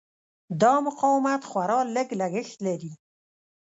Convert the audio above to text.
دا مقاومت خورا لږ لګښت لري.